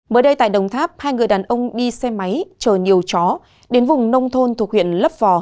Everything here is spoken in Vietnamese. mới đây tại đồng tháp hai người đàn ông đi xe máy chờ nhiều chó đến vùng nông thôn thuộc huyện lấp vò